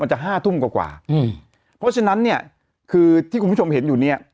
มันจะ๕ทุ่มกว่าเพราะฉะนั้นเนี่ยคือที่คุณผู้ชมเห็นอยู่เนี่ย